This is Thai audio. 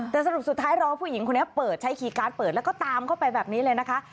แต่สรุปสุดท้ายรอผู้หญิงคนนี้เปิดใช้คีย์การ์ดเปิดแล้วก็ตามเข้าไปแบบนี้เลยนะคะ